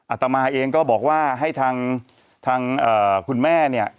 อาตมาเองก็บอกว่าให้ทางคุณแม่เนี่ย